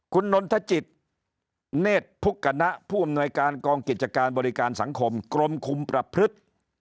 คุณนนทจิตเนธพุกณะผู้อำนวยการกองกิจการบริการสังคมกรมคุมประพฤติ